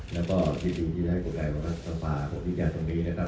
และได้ไขที่จะให้การผ่าฝ่าผลิตยาที่มีนะครับ